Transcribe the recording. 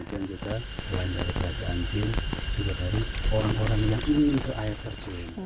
kemudian juga selain dari kerajaan jin juga dari orang orang yang ingin ke air terjun